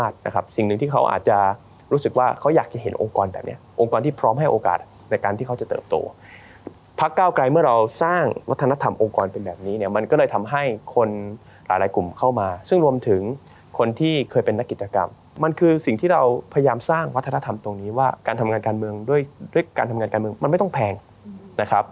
ต้นต้นต้นต้นต้นต้นต้นต้นต้นต้นต้นต้นต้นต้นต้นต้นต้นต้นต้นต้นต้นต้นต้นต้นต้นต้นต้นต้นต้นต้นต้นต้นต้นต้นต้นต้นต้นต้นต้นต้นต้นต้นต้นต้นต้นต้นต้นต้นต้นต้นต้นต้นต้นต้นต้นต